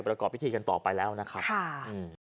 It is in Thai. ประกอบพิธีกันต่อไปแล้วนะครับ